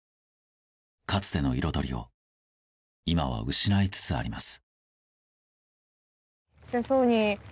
かつての彩りを今は失いつつあります。